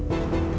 tapi dia salah